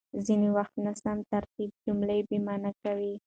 ځينې وخت ناسم ترتيب جمله بېمعنا کوي.